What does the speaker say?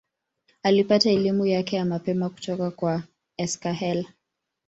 Alipata elimu yake ya mapema kutoka kwa Esakhel.